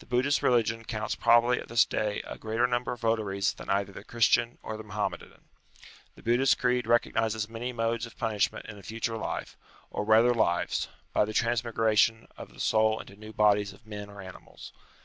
The Buddhist religion counts probably at this day a greater number of votaries than either the Christian or the Mahomedan. The Buddhist creed recognises many modes of punishment in a future life, or rather lives, by the transmigration of the soul into new bodies of men or animals.